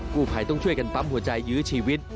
ผู้ภัยต้องช่วยกันปั๊มหัวใจยื้อชีวิต